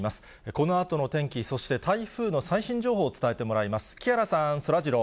このあとの天気、そして台風の最新情報を伝えてもらいます。